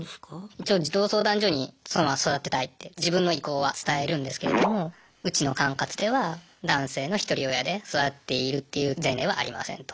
一応児童相談所にそのまま育てたいって自分の意向は伝えるんですけれどもうちの管轄では男性のひとり親で育てているっていう前例はありませんと。